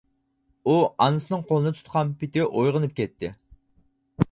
ئۇ ئانىسىنىڭ قولىنى تۇتقان پېتى ئويغىنىپ كەتتى.